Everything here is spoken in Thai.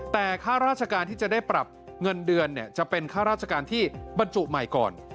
แต่ค่าราชการที่จะได้ปรับเงินเดือนจะเป็นค่าราชการที่บรรจุใหม่ก่อน